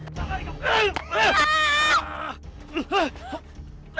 tidak ada apa apa